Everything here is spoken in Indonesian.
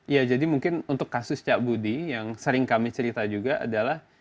ya jadi mungkin untuk kasus cak budi yang sering kami cerita juga adalah